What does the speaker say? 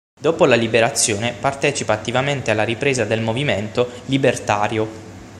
Dopo la Liberazione partecipa attivamente alla ripresa del movimento libertario.